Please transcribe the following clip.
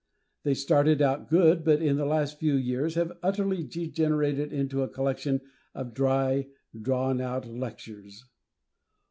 They started out good, but in the last few years have utterly degenerated into a collection of dry, drawn out lectures.